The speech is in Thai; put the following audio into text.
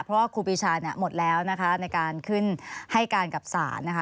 เพราะว่าครูปีชาหมดแล้วนะคะในการขึ้นให้การกับศาลนะคะ